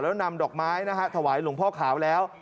แล้วนำดอกไม้นะฮะถวายหลวงพ่อขาวแล้ว